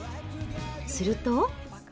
すると。